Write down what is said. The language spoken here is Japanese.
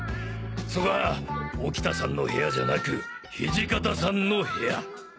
そこは沖田さんの部屋じゃなく土方さんの部屋。